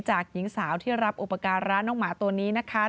หญิงสาวที่รับอุปการะน้องหมาตัวนี้นะคะ